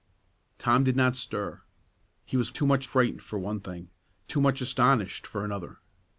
Tom did not stir; he was too much frightened for one thing, too much astonished for another.